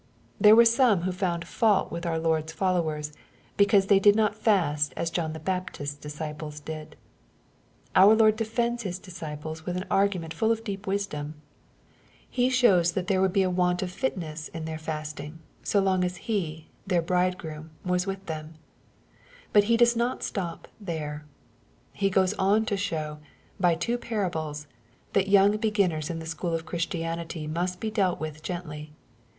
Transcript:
There were some who found fault with our Lord's fol Uwers, because they did not fast as John the Baptist's ,lisc!ple8 did. Our Lord defends His disciples with an ^ygament full of deep wisdom. He shows thai thera 88 EXPOSITORT THOUGHTS. would be a want of fitness in their fasting, so long as He, their Bridegroom, was with them. But He does not stop there. He goes on to show, by two parables, that young beginners in the school of Christianity must be dealt with gently.